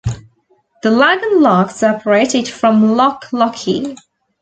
The Laggan locks separate it from Loch Lochy.